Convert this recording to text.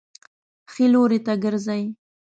ښي لوري ته ګرځئ